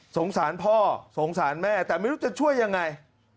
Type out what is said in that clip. สงสารพ่อสงสารแม่แต่ไม่รู้จะช่วยยังไง